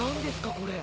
これ。